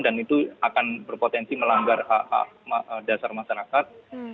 dan itu akan berpotensi melanggar dasar masyarakat